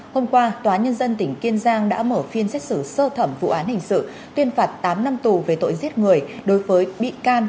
hôm qua tòa nhân dân tỉnh kiên giang đã mở phiên xét xử sơ thẩm vụ án hình sự tuyên phạt tám năm tù về tội giết người đối với bị can